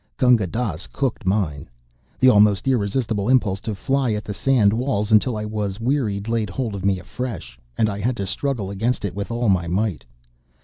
Gunga Dass cooked mine. The almost irresistible impulse to fly at the sand walls until I was wearied laid hold of me afresh, and I had to struggle against it with all my might.